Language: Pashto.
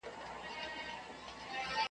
نه به کور په کور په ښار کي تربګني وای .